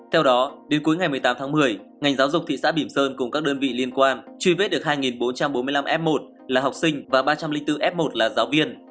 theo đó đến cuối ngày một mươi tám tháng một mươi ngành giáo dục thị xã bỉm sơn cùng các đơn vị liên quan truy vết được hai bốn trăm bốn mươi năm f một là học sinh và ba trăm linh bốn f một là giáo viên